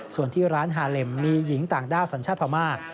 ส่วนที่ร้านฮาเลมมีหญิงต่างด้าวสัญชาติพม่า